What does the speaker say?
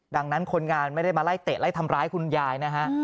ดังนั้นคนงานไม่ได้มาไล่เตะไล่ทำร้ายคุณยายนะฮะ